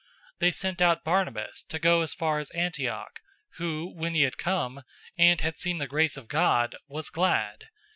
They sent out Barnabas to go as far as Antioch, 011:023 who, when he had come, and had seen the grace of God, was glad.